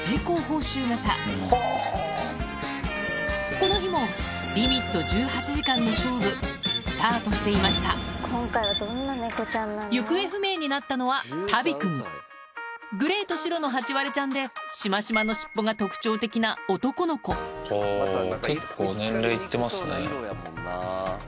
この日もリミット１８時間の勝負スタートしていました行方不明になったのはタビ君グレーと白のハチワレちゃんでシマシマの尻尾が特徴的な男の子ほう。